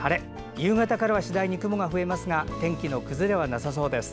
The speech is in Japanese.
夕方からは次第に雲が増えますが天気の崩れはなさそうです。